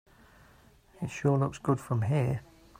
It sure looks good from here.